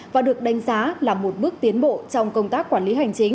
và được đánh giá là một bước tiến bộ trong công tác quản lý hành chính